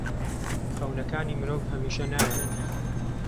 خەونەکانی مرۆڤ هەمیشە نایەنە دی.